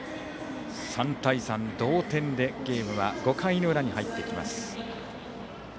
３対３、同点でゲームは５回の裏に入ります。